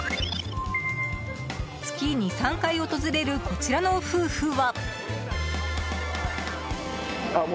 月２３回訪れるこちらの夫婦は。